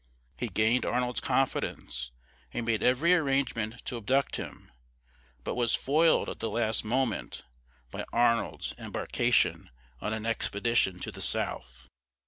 He gained Arnold's confidence, and made every arrangement to abduct him, but was foiled at the last moment by Arnold's embarkation on an expedition to the south.